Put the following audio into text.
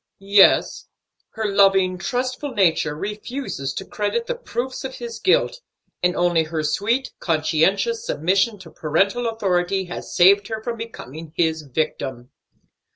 "Yes, her loving, trustful nature refuses to credit the proofs of his guilt, and only her sweet, conscientious submission to parental authority has saved her from becoming his victim."